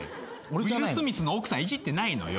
ウィル・スミスの奥さんいじってないのよ。